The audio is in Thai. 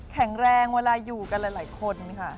แข็งแรงเวลาอยู่กันหลายคนค่ะ